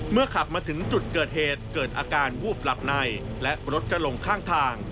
ขับมาถึงจุดเกิดเหตุเกิดอาการวูบหลับในและรถจะลงข้างทาง